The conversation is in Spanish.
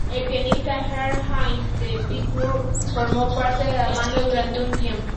El pianista Earl Hines, de Pittsburgh, formó parte de la banda durante un tiempo.